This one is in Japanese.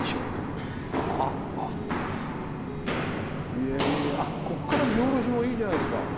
いやいやここから見下ろしもいいじゃないですか。